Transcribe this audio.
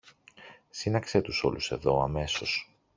Σύναξε τους όλους εδώ, αμέσως!